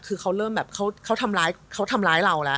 คือเขาเริ่มแบบเขาทำล้ายเราละ